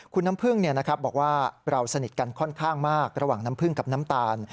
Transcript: คุณน้ำพึ่งบอกว่าเราสนิทกันค่อนข้างมากระหว่างน้ำผึ้งกับน้ำตาล